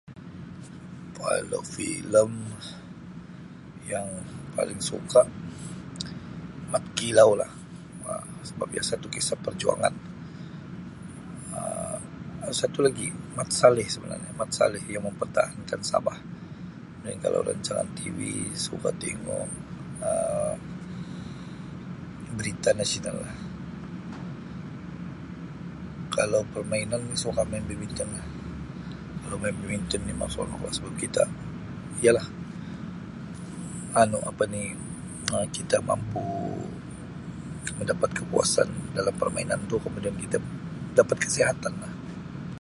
Kalau filem yang paling suka Mat Kilau lah Um sebab ia satu kisah perjuangan Um ada satu lagi Mat Salleh sebenarnya Mat Salleh yang mempertahankan Sabah kalau rancangan TV suka tingu Um berita nasional lah kalau permainan suka main badmintonlah bermain badminton ni memang seronok lah sebab kita ialah anu apa ni Um kita mampu mendapat kepuasan dalam permainan tu kemudian kita dapat kesihatan lah.